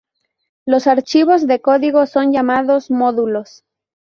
Los archivos de código son llamados módulos.